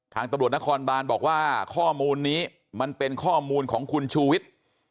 ตำรวจนครบานบอกว่าข้อมูลนี้มันเป็นข้อมูลของคุณชูวิทย์